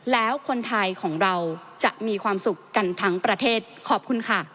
แล้วคนไทยของเราจะมีความสุขกันทั้งประเทศขอบคุณค่ะ